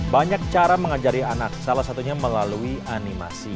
banyak cara mengajari anak salah satunya melalui animasi